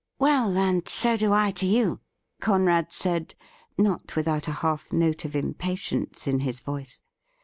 ' Well, and so do I to you,' Conrad said, not without a half note of impatience in his voice.